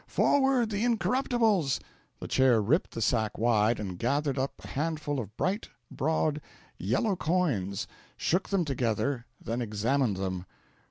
Forward the Incorruptibles!" The Chair ripped the sack wide, and gathered up a handful of bright, broad, yellow coins, shook them together, then examined them.